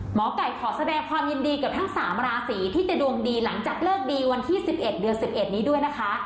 หมอกัยขอแสดงความยินดีกับทั้งสามลาศีที่จะดวงดีหลังจากเลิกดีวันที่สิบเอ็ดเดือนสิบเอ็ดนี้ด้วยนะคะ